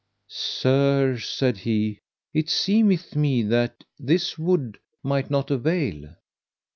Sir, said he, it seemeth me that this wood might not avail.